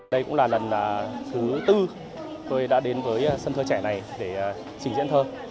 đây cũng là lần thứ tư tôi đã đến với sân chơi trẻ này để trình diễn thơ